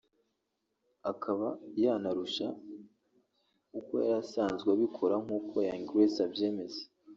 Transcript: akaba yanarusha uko yari asanzwe abikora nk’uko Young Grace abyemeza